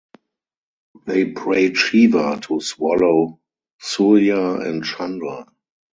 They prayed Shiva to swallow Surya and Chandra.